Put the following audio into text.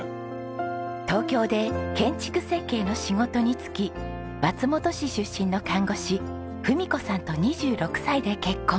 東京で建築設計の仕事に就き松本市出身の看護師文子さんと２６歳で結婚。